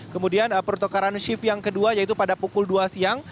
kemudian pertukaran shift yang kedua yaitu pada pukul dua siang